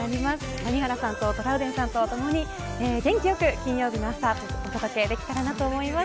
谷原さんとトラウデンさんとともに元気よく金曜日の朝をお届けできたらなと思います。